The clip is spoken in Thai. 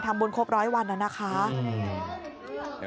เย็นไปอยู่บ้านตะวันดีเลย